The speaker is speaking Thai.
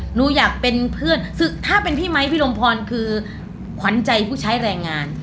หนูอยากเป็นเพื่อนถ้าเป็นพี่ไมค์พี่รมพรคือขวัญใจผู้ใช้แรงงาน